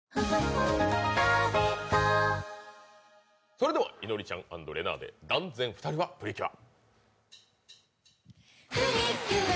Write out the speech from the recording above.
それではいのりちゃん＆れなぁで「ＤＡＮＺＥＮ！ふたりはプリキュア」。